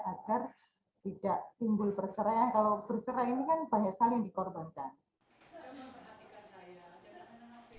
kalau bercerai ini kan banyak sekali yang dikorbankan